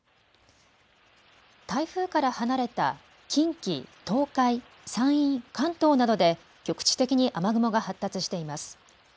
台風から離れた近畿、東海、山陰、関東などで局地的に雨雲が発達しています。